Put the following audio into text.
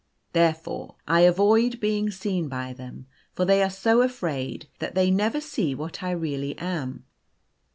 Therefore I avoid being seen by them, for they are so afraid, that they never see what I really am.